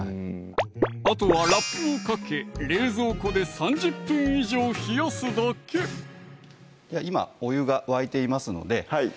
あとはラップをかけ冷蔵庫で３０分以上冷やすだけ今お湯が沸いていますのではい